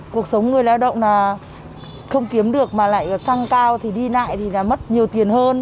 cuộc sống người lao động là không kiếm được mà lại xăng cao thì đi lại thì là mất nhiều tiền hơn